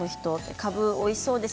かぶはおいしそうです。